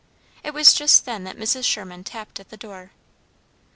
It was just then that Mrs. Sherman tapped at the door.